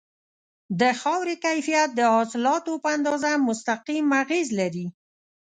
د خاورې کیفیت د حاصلاتو په اندازه مستقیم اغیز لري.